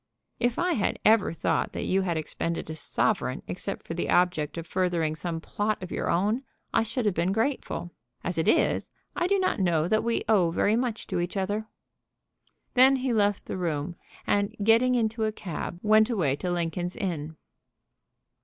"If I had ever thought that you had expended a sovereign except for the object of furthering some plot of your own, I should have been grateful. As it is I do not know that we owe very much to each other." Then he left the room, and, getting into a cab, went away to Lincoln's Inn.